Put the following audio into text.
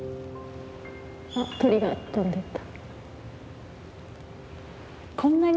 あっ鳥が飛んでった。